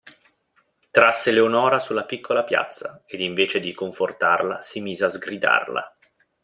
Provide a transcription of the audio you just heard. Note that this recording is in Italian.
Trasse Leonora sulla piccola piazza, ed invece di confortarla si mise a sgridarla.